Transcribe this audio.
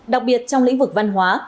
đặc biệt trong lĩnh vực văn hóa